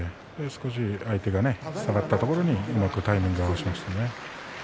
少し相手が下がったところにうまくタイミングを合わせました。